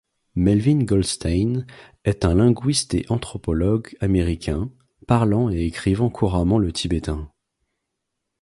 Melvyn Goldstein est un linguiste et anthropologue américain, parlant et écrivant couramment le tibétain.